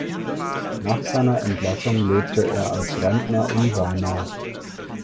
Nach seiner Entlassung lebte er als Rentner in Weimar.